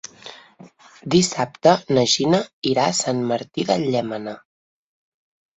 Dissabte na Gina irà a Sant Martí de Llémena.